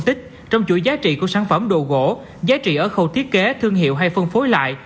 tích trong chuỗi giá trị của sản phẩm đồ gỗ giá trị ở khâu thiết kế thương hiệu hay phân phối lại